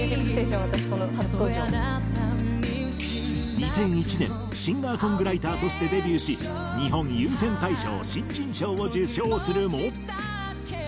２００１年シンガー・ソングライターとしてデビューし日本有線大賞新人賞を受賞するも。